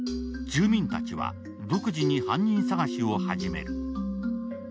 住民たちは独自に犯人探しを始める。